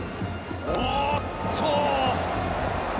おおっと！